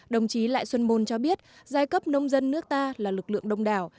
đồng chí lại xuân môn cho biết giai cấp nông dân nước ta là lực lượng đông đảo